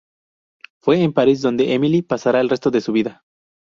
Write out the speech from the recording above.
Fue en París donde Émile pasaría el resto de su vida.